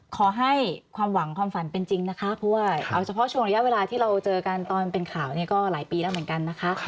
ขอให้ความหวังความฝันเป็นจริงนะคะเพราะว่าเอาเฉพาะช่วงระยะเวลาที่เราเจอกันตอนเป็นข่าวนี้ก็หลายปีแล้วเหมือนกันนะคะ